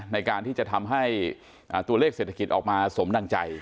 ในการที่จะทำให้ตัวเลขเศรษฐกิจออกมาสมดังใจ